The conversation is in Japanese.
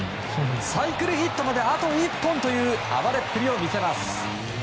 サイクルヒットまであと１本という暴れっぷりを見せます。